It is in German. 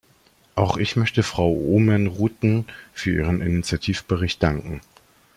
Auch ich möchte Frau Oomen-Ruijten für ihren Initiativbericht danken.